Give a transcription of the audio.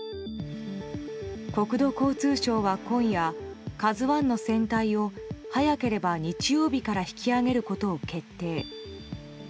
国土交通省は今夜「ＫＡＺＵ１」の船体を早ければ日曜日から引き揚げることを決定。